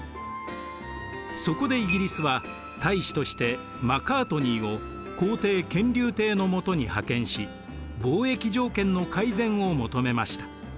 そこでイギリスは大使としてマカートニーを皇帝乾隆帝のもとに派遣し貿易条件の改善を求めました。